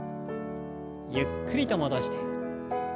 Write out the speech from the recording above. ゆっくりと戻して。